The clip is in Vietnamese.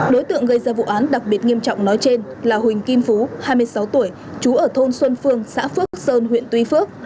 đối tượng gây ra vụ án đặc biệt nghiêm trọng nói trên là huỳnh kim phú hai mươi sáu tuổi chú ở thôn xuân phương xã phước sơn huyện tuy phước